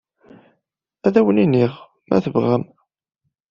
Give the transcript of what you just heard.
Ad awen-iniɣ, ma tebɣam.